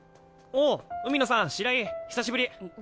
おっ海野さん白井久しぶり。